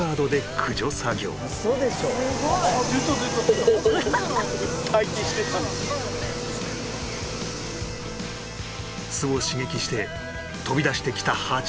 巣を刺激して飛び出してきたハチを